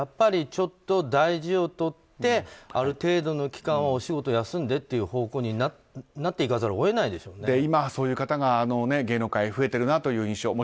ちょっと大事を取ってある程度の期間はお仕事を休んでっていう方向になっていかざるを今、そういう方が芸能界で増えているという印象。